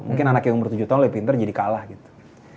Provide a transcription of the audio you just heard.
mungkin anak yang umur tujuh tahun lebih pinter jadi kalah gitu